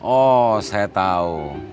oh saya tau